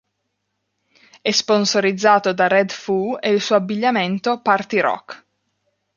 È sponsorizzato da Redfoo e il suo abbigliamento "Party Rock"